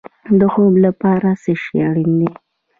د خوب لپاره څه شی اړین دی؟